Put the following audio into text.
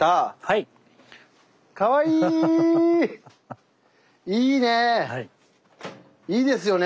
いいね！